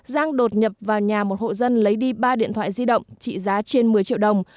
giang đột nhập vào nhà một hộ dân lấy đi ba điện thoại di động trị giá trên một mươi triệu đồng